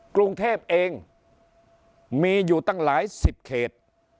กรุงเทพเองมีอยู่ตั้งหลายสิบเขต